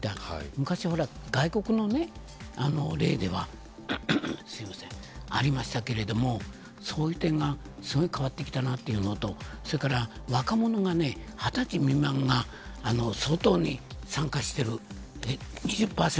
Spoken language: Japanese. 昔、外国の例ではありましたけどもそういう点がすごい変わってきたなというのとそれから若者が２０歳未満が相当に参加している。